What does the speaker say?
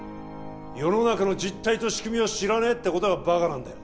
世の中の実態と仕組みを知らねえってことがバカなんだよ